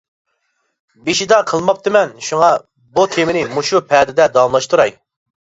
بېشىدا قىلماپتىمەن، شۇڭا بۇ تېمىنى مۇشۇ پەدىدە داۋاملاشتۇراي.